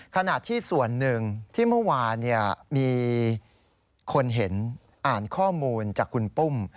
ขณะที่ส่วนหนึ่งที่เมื่อวานมีคนเห็นอ่านข้อมูลจากคุณปุ้ม